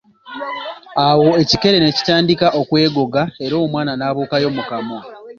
Awo ekikere ne kitandika okwegoga era omwana n'abuuka yo mu kamwa.